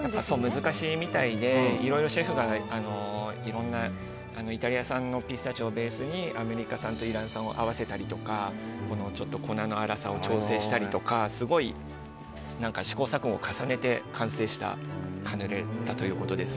難しいみたいでいろいろシェフがいろんなイタリア産のピスタチオをベースにアメリカ産とイラン産を合わせたりとか粉の粗さを調整したりとか試行錯誤を重ねて完成したカヌレだということです。